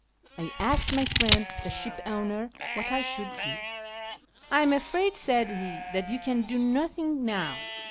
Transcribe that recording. I asked my friend the ship owner what I should do. " I am afraid," said he, " that you can do nothing now.